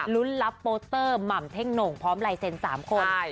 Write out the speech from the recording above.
รุ้นรับโปรเตอร์หม่ำเท่งหน่งพร้อมไลเซ็นต์๓คน